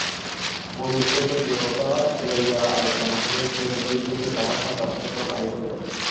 গুরুর সহিত যে কথা লইয়া আলোচনা হইয়াছিল দেখিতে দেখিতে তাহার শাখা-প্রশাখা বাহির হইল।